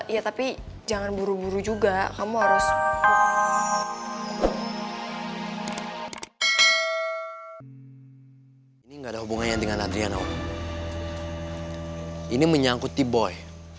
ya tapi jangan buru buru juga kamu harus